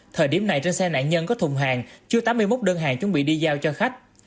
thời điểm này trên xe nạn nhân có thùng hàng chưa tám mươi một đơn hàng chuẩn bị đi giao cho khách